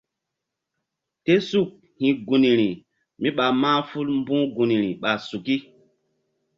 Tésuk hi̧ gunri míɓa mahful mbu̧h gunri ɓa suki.